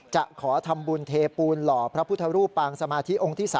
จะขอทำบุญเทปูนหล่อพระพุทธรูปปางสมาธิองค์ที่๓